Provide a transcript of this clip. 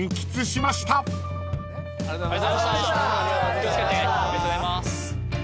気を付けてありがとうございます。